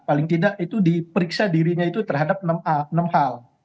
paling tidak itu diperiksa dirinya itu terhadap enam hal